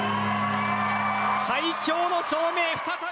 最強の証明、再び！